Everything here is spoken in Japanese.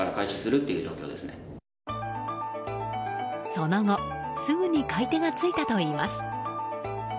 その後、すぐに買い手がついたといいます。